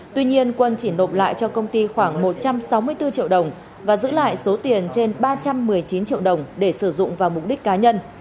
tuy nhiên quân chỉ nộp lại cho công ty khoảng một trăm sáu mươi bốn triệu đồng và giữ lại số tiền trên ba trăm một mươi chín triệu đồng để sử dụng vào mục đích cá nhân